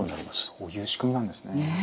こういう仕組みなんですね。